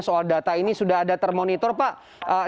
soal data ini sudah ada termonitor pak